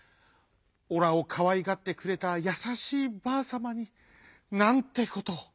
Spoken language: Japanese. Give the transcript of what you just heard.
オラをかわいがってくれたやさしいばあさまになんてことを。